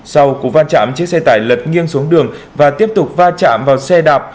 sau cú va chạm chiếc xe tải lật nghiêng xuống đường và tiếp tục va chạm vào xe đạp